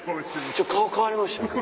ちょっと顔変わりましたね。